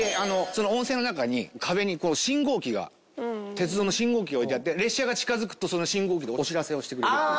その温泉の中に壁に信号機が鉄道の信号機が置いてあって列車が近づくとその信号機でお知らせをしてくれるっていう。